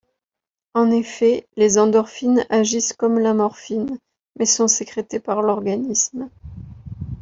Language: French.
En effet, les endorphines agissent comme la morphine, mais sont sécrétées par l'organisme.